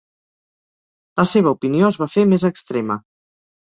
La seva opinió es va fer més extrema.